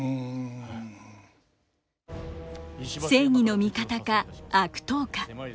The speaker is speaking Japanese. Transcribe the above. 正義の味方か悪党か。